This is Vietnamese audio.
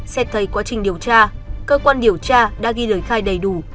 xét thấy quá trình điều tra cơ quan điều tra đã ghi lời khai đầy đủ